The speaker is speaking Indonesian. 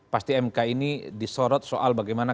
pasti mk ini disorot soal bagaimana